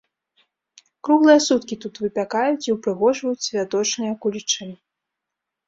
Круглыя суткі тут выпякаюць і ўпрыгожваюць святочныя кулічы.